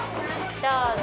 どうぞ。